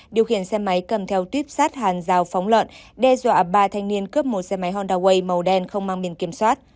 điều khiển xe máy cầm theo tuyếp sát hàn rào phóng lợn đe dọa ba thanh niên cướp một xe máy honda way màu đen không mang biển kiểm soát